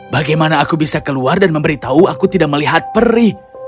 bagaimana aku bisa keluar dan memberitahu aku tidak melihat peri